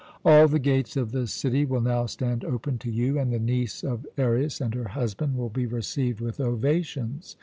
"All the gates of the city will now stand open to you, and the niece of Arius and her husband will be received with ovations.